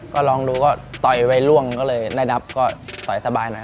ก็ลองดูค่ะต่อยไว้ร่วงเลยแน่นับจึงต่อยสบายหน่อย